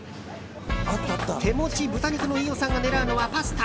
手持ち豚肉の飯尾さんが狙うのは、パスタ。